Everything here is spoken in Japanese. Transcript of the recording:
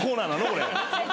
これ。